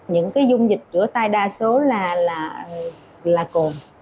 những cái dung dịch rửa tay đa số là cồn